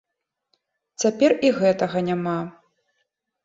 Цяпер і гэтага няма.